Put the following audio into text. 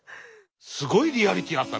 すごいリアリティーあったね。